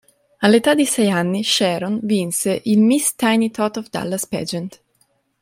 All'età di sei anni Sharon vinse il "Miss Tiny Tot of Dallas Pageant.